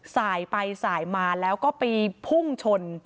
สายไปสายมาแล้วก็ไปพุ่งชน